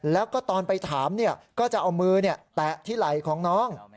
แล้วก็ตอนไปถามก็จะเอามือแตะที่ไหล่ของน้อง